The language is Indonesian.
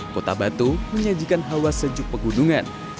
kota batu menyajikan hawa sejuk pegunungan